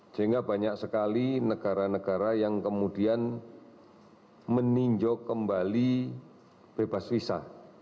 sehingga banyak sekali negara negara yang kemudian meninjau kembali bebas visa